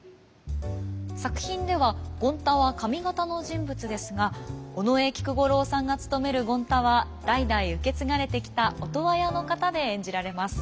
作品では権太は上方の人物ですが尾上菊五郎さんがつとめる権太は代々受け継がれてきた音羽屋の型で演じられます。